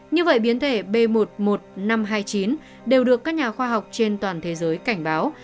như vậy biến thể b một mươi một năm trăm hai mươi chín đều được các nhà khoa học trên toàn thế giới cảnh báo